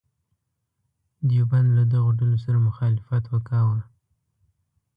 دیوبند له دغو ډلو سره مخالفت وکاوه.